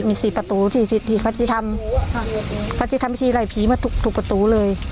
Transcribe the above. มีสี่ประตูสี่สิบที่เขาจะทำเขาจะทำพิธีไล่ผีมาทุกทุกประตูเลย